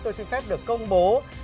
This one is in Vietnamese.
tôi xin phép được công bố